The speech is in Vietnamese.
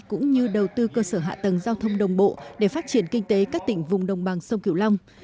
cũng như đầu tư cơ sở hạ tầng giao thông đồng bộ để phát triển kinh tế các tỉnh vùng đồng bằng sông kiểu long